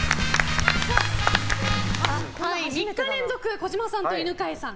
３日連続、児嶋さんと犬飼さん